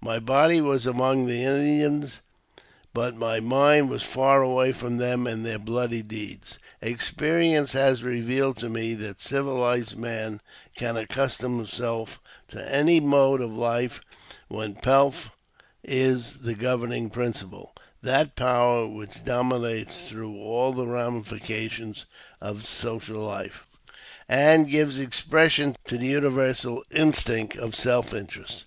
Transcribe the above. My body was among the Indians, but my^ mind was far away from them and their bloody deeds. Ex perience has revealed to me that^civilized man can accustom i himself to any mode of life when pelf is the governing princi ! pie — that power which dominates through all the ramifications of social life, and gives expression to the universal instinct! of self interest.